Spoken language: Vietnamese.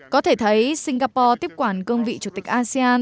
có thể thấy singapore tiếp quản cương vị chủ tịch asean